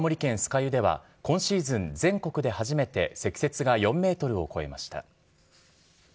湯では、今シーズン全国で初めて積雪が４メートルを超えました。